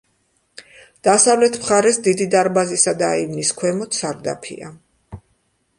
დასავლეთ მხარეს დიდი დარბაზისა და აივნის ქვემოთ სარდაფია.